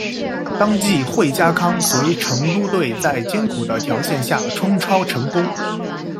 当季惠家康随成都队在艰苦的条件下冲超成功。